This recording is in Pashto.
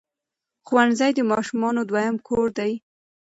ښوونځي د ماشومانو دویم کور دی.